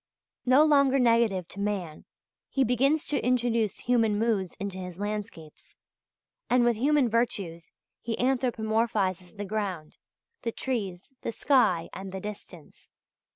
No longer negative to man, he begins to introduce human moods into his landscapes, and with human virtues he anthropomorphizes the ground, the trees, the sky, and the distance.